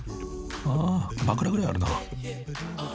［あ枕ぐらいあるな］